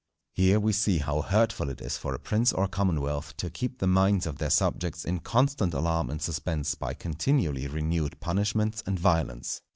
Here we see how hurtful it is for a prince or commonwealth to keep the minds of their subjects in constant alarm and suspense by continually renewed punishments and violence.